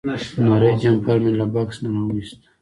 نری جمپر مې له بکس نه راوویست.